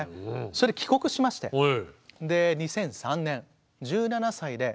それで帰国しまして２００３年１７歳で祖父母の介護。